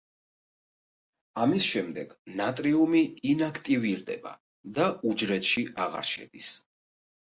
ამის შემდეგ ნატრიუმი ინაქტივირდება და უჯრედში აღარ შედის.